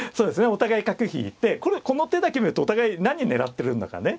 お互い角引いてこれこの手だけ見るとお互い何狙ってるんだかね